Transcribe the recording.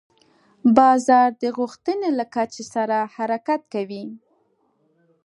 بازار د غوښتنې له کچې سره حرکت کوي.